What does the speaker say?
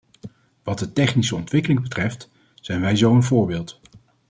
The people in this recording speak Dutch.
Wat de technische ontwikkeling betreft, zijn wij zo’n voorbeeld.